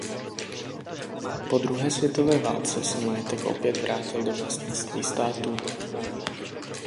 Po druhé světové válce se majetek opět vrátil do vlastnictví státu.